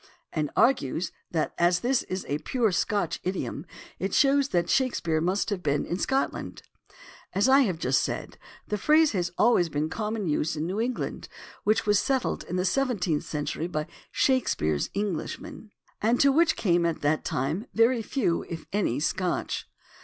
and argues that as this is a pure Scotch idiom it shows that Shakespeare must have been in Scotland. As I have just said, the phrase has always been in common use in New England, which was settled in the seventeenth century by Shakespeare's Englishmen, and to which came at that time very few, if any, Scotch.